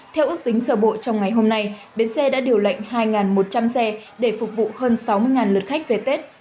theo ước tính sở bộ trong ngày hôm nay bến xe đã điều lệnh hai một trăm linh xe để phục vụ hơn sáu mươi lượt khách về tết